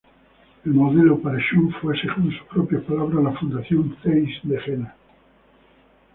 El modelo para Schunk fue, según sus propias palabras, la fundación Zeiss de Jena.